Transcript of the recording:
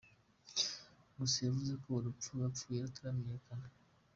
Gusa yavuze ko urupfu yapfuye rutaramenyekana.